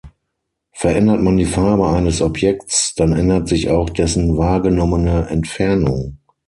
Verändert man die Farbe eines Objekts, dann ändert sich auch dessen wahrgenommene Entfernung.